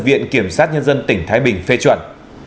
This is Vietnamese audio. viện kiểm sát nhân dân tỉnh thái bình phê chuẩn